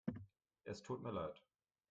Es tut mir leid.